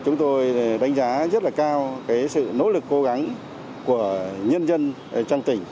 chúng tôi đánh giá rất là cao sự nỗ lực cố gắng của nhân dân trong tỉnh